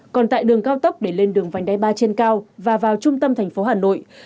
còn tại đường cao tốc để lên đường vành đai ba trên cao và vào trung tâm thành phố hà nội